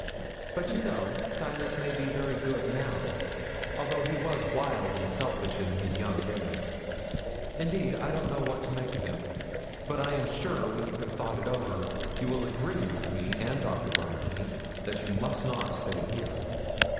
'But, you know, Silas may be very good now, although he was wild and selfish in his young days. Indeed I don't know what to make of him; but I am sure when you have thought it over, you will agree with me and Doctor Bryerly, that you must not stay here.'